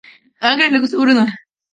Todos formaron parte de la Flota del Norte.